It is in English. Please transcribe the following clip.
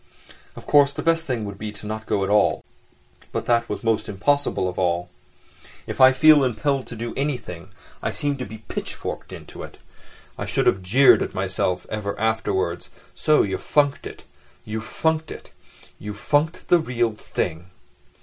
Of course, the best thing would be not to go at all. But that was most impossible of all: if I feel impelled to do anything, I seem to be pitchforked into it. I should have jeered at myself ever afterwards: "So you funked it, you funked it, you funked the _real thing!